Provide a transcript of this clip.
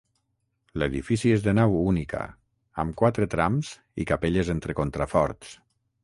L'edifici és de nau única, amb quatre trams i capelles entre contraforts.